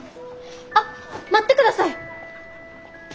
あっ待ってください！